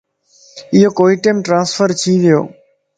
ايو ڪوئيٽيم ٽرانسفرٿي ويو